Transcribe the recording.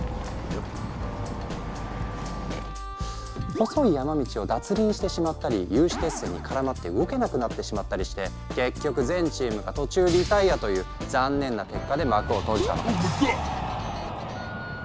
細い山道を脱輪してしまったり有刺鉄線に絡まって動けなくなってしまったりして結局全チームが途中リタイアという残念な結果で幕を閉じたの。